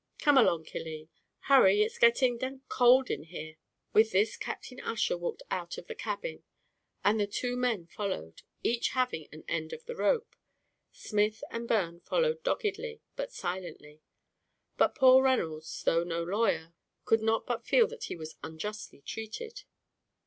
Come along, Killeen; hurry, it's getting d d cold here by the water." With this Captain Ussher walked out of the cabin, and the two men followed, each having an end of the rope. Smith and Byrne followed doggedly, but silently; but poor Reynolds, though no lawyer, could not but feel that he was unjustly treated.